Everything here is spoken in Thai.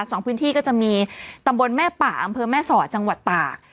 สองพื้นที่ก็จะมีตำบลแม่ป่าอำเภอแม่สอดจังหวัดตาก